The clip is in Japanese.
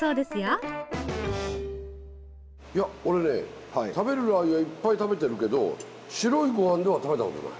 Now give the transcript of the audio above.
いや俺ね食べるラー油はいっぱい食べてるけど白いご飯では食べたことない。